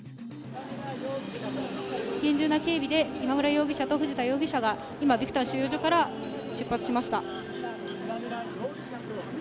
厳重な警備で、今村容疑者と藤田容疑者が、今、ビクタン収容所から出発しました。